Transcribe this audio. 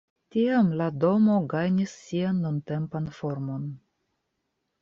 Tiam la domo gajnis sian nuntempan formon.